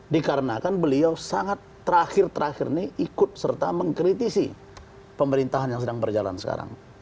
dikarenakan beliau sangat terakhir terakhir ini ikut serta mengkritisi pemerintahan yang sedang berjalan sekarang